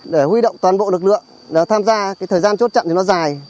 để huy động toàn bộ lực lượng tham gia thời gian chốt chặn thì nó dài